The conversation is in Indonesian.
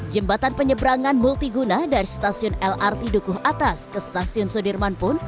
jembatan penyeberangan multiguna dari stasiun lrt dukuh atas ke stasiun sudirman pun